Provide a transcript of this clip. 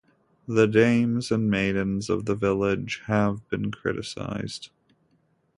The dames and maidens of the village have been criticized.